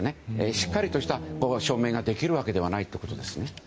しっかりとした証明ができるわけではないということです。